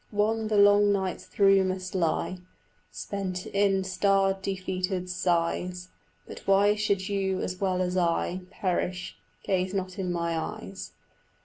One the long nights through must lie Spent in star defeated sighs, But why should you as well as I Perish? gaze not in my eyes.